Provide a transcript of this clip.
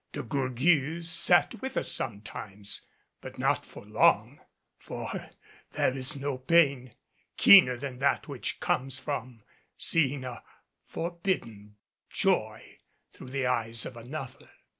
De Gourgues sat with us sometimes, but not for long; for there is no pain keener than that which comes from seeing a forbidden joy through the eyes of another.